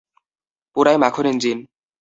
পুরাই মাখন ইঞ্জিন।